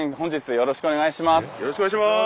よろしくお願いします。